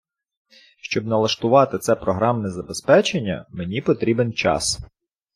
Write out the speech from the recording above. Щоб налаштувати це програмне забезпечення, мені потрібен час.